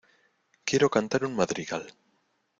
Quiero cantar un madrigal.